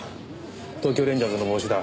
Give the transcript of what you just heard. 東京レンジャーズの帽子だ。